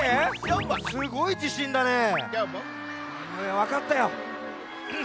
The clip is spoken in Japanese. わかったよ。